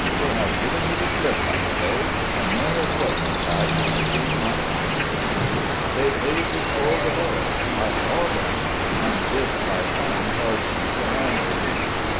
"They have given me the slip, I say, and ne'er a groat have I to redeem my promises." "They paid the score below I saw them; and this thy son charged me to hand to thee."